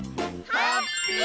ハッピー！